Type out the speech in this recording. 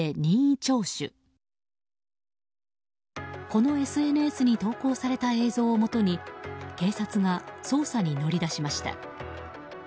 このＳＮＳに投稿された映像をもとに警察が捜査に乗り出しました。